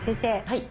はい。